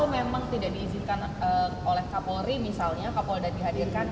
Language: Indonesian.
untuk memutuskan apakah kami mu minta masjid ketua madris untuk memperbaiki pada keadaan masjid irl sg satu maggie